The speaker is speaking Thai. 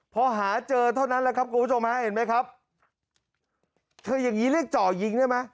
พอหาเจอเท่านั้นแหละครับคุณผู้ชมฮะเห็นไหมครับคืออย่างงี้เรียกจ่อยิงได้ไหม